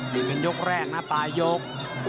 นี่เป็นยกแรกนะปลายยก